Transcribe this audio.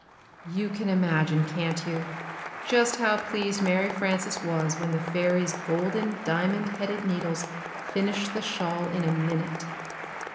You can imagine, can't you, just how pleased Mary Frances was when the fairy's golden diamond headed needles finished the shawl in a minute?